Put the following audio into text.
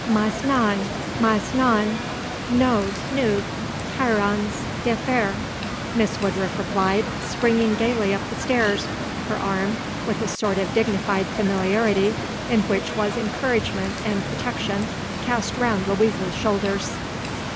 _" "Mais non, mais non; nous nous tirerons d'affaire," Miss Woodruff replied, springing gaily up the stairs, her arm, with a sort of dignified familiarity, in which was encouragement and protection, cast round Louise's shoulders.